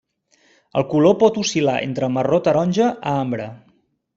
El color pot oscil·lar entre marró taronja a ambre.